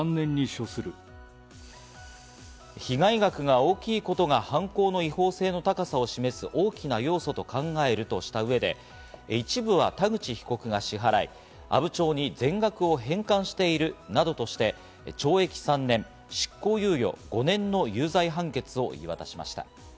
被害額が大きいことが犯行の違法性の高さを示す大きな要素と考えるとした上で、一部は田口被告が支払い、阿武町に全額を返還しているなどとして懲役３年執行猶予５年の有罪判決を言い渡しました。